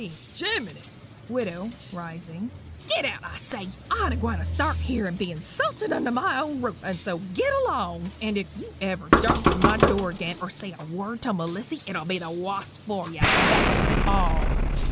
C. "Gimmeni!" WIDOW (rising). "Git out, I say I ain't a gwine to start' here and be insulted under my own ruff and so git along and if ever you darken my door again, or say a word to Melissy, it'll be the woss for you that's all."